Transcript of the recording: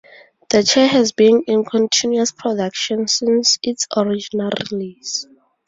The chair has been in continuous production since its original release.